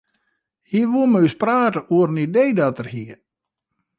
Hy woe mei ús prate oer in idee dat er hie.